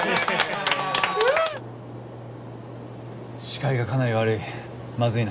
視界がかなり悪い。